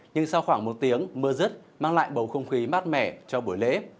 nhưng sau khoảng một tiếng mưa rứt mang lại bầu không khí mát mẻ cho buổi lễ